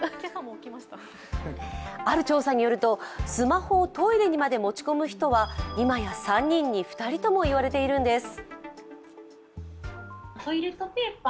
ある調査によるとスマホをトイレにまで持ち込む人は、今や３人に２人ともいわれているんです。